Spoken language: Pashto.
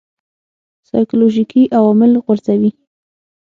سایکولوژیکي عوامل غورځوي.